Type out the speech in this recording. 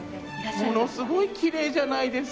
ものすごいきれいじゃないですか。